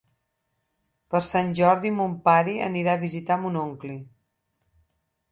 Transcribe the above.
Per Sant Jordi mon pare anirà a visitar mon oncle.